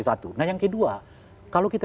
satu nah yang kedua kalau kita